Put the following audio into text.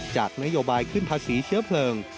จากนโยบายขึ้นภาษีเชื้อเพลิง